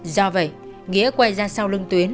do vậy nghĩa quay ra sau lưng tuyến